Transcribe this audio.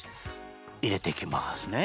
いれていきますね